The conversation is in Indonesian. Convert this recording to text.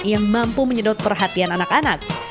yang mampu menyedot perhatian anak anak